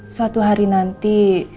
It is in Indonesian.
suatu hari nanti